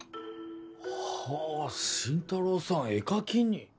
ほう新太郎さん絵描きに？